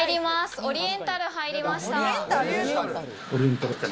オリエンタル入りました。